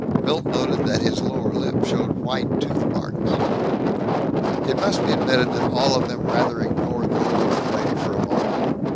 Milt noted that his lower lip showed white tooth marks. It must be admitted that all of them rather ignored the little old lady for a moment.